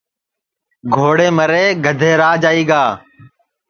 گھوڑے مرے گدھے راج آئی گا